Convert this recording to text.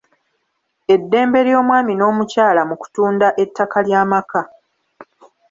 Eddembe ly’omwami n’omukyala mu kutunda ettaka ly’amaka.